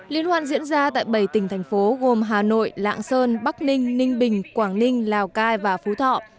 liên hoan diễn ra tại bảy tỉnh thành phố gồm hà nội lạng sơn bắc ninh ninh bình quảng ninh lào cai và phú thọ